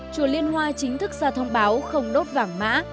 chùa liên hoa chính thức ra thông báo không đốt vàng mã